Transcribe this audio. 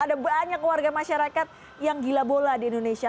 ada banyak warga masyarakat yang gila bola di indonesia